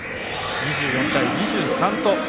２４対２３。